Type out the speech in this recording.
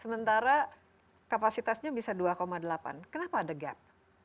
sementara kapasitasnya bisa dua delapan kenapa ada gap